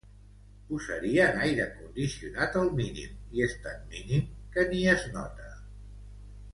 Posarien aire condicionat al mínim i és tant mínim que ni es nota.